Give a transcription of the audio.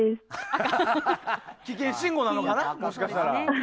危険信号なのかなもしかしたら。